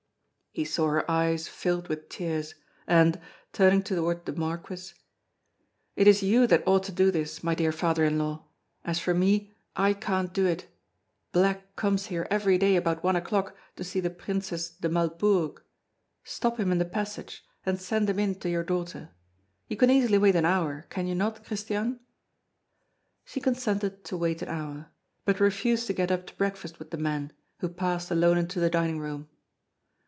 He saw her eyes filled with tears, and, turning toward the Marquis: "It is you that ought to do this, my dear father in law. As for me, I can't do it. Black comes here every day about one o'clock to see the Princess de Maldebourg. Stop him in the passage, and send him in to your daughter. You can easily wait an hour, can you not, Christiane?" She consented to wait an hour, but refused to get up to breakfast with the men, who passed alone into the dining room.